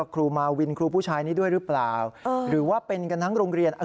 ครูมาวินครูผู้ชายนี้ด้วยหรือเปล่าหรือว่าเป็นกันทั้งโรงเรียน